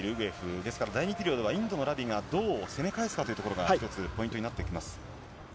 ですから第２ピリオドは、インドのラビがどう攻め返すかというところが一つポイントになってきます。